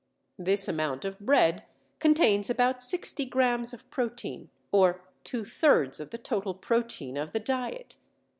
This amount of bread contains about 60 grams of protein, or two thirds of the total protein of the diet.